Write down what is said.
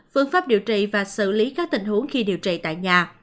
phương pháp điều trị và xử lý các tình huống khi điều trị tại nhà